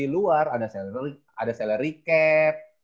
luar ada salary cap